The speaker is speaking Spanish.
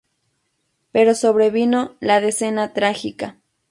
Pero sobrevino la Decena Trágica.